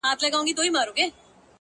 هغه له قبره اوس زما خواته ناره نه کوي”